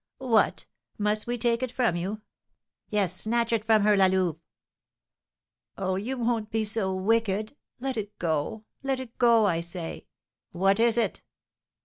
"What! Must we take it from you?" "Yes, snatch it from her, La Louve!" "Oh, you won't be so wicked? Let it go! Let it go, I say!" "What is it?"